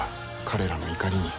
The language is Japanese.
彼らの怒りに。